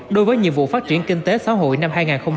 đối với nhiệm vụ phát triển kinh tế xã hội năm hai nghìn hai mươi